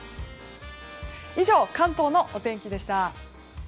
以上、関東のお天気でした。